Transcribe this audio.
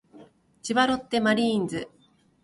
千葉ロッテマリーンズ